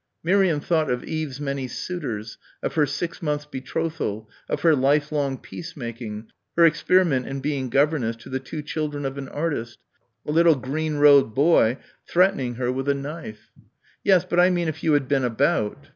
Miriam thought of Eve's many suitors, of her six months' betrothal, of her lifelong peace making, her experiment in being governess to the two children of an artist a little green robed boy threatening her with a knife. "Yes, but I mean if you had been about."